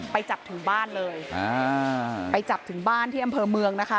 ไปจับถึงบ้านเลยอ่าไปจับถึงบ้านที่อำเภอเมืองนะคะ